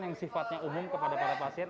yang sifatnya umum kepada para pasien